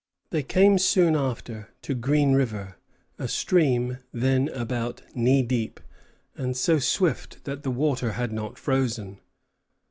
They came soon after to Green River, a stream then about knee deep, and so swift that the water had not frozen.